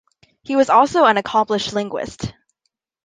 He was also an accomplished linguist.